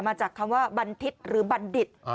มาจากคำว่าบันทิศหรือบัณฑิต